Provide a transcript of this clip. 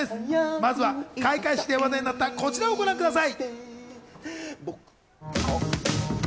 まずは開会式で話題になったこちらをご覧ください。